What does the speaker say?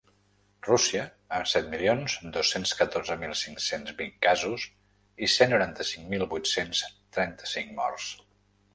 Rússia, amb set milions dos-cents catorze mil cinc-cents vint casos i cent noranta-cinc mil vuit-cents trenta-cinc morts.